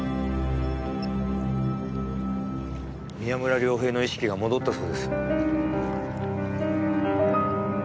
宮村涼平の意識が戻ったそうです。